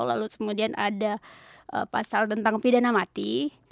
lalu kemudian ada pasal tentang pidana mati